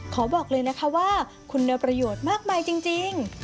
ขอบอกเลยนะคะว่าคุณประโยชน์มากมายจริง